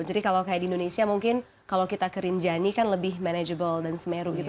jadi kalau kayak di indonesia mungkin kalau kita kerinjani kan lebih manageable dan semeru gitu